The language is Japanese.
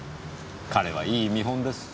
彼はいい見本です。